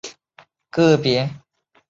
个别情况下可能出现。